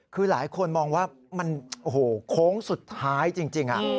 คือหลายคนมองว่ามันโอ้โหโค้งสุดท้ายจริง